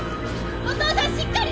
お父さんしっかりして！